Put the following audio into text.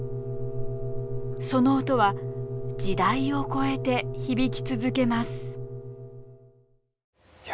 その音は時代を超えて響き続けますいや